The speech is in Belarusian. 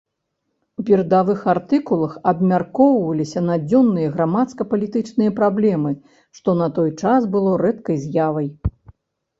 У перадавых артыкулах абмяркоўваліся надзённыя грамадска-палітычныя праблемы, што на той час было рэдкай з'явай.